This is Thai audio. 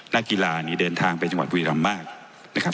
นักกีฬานี่เดินทางไปจังหวัดบุรีรำมากนะครับ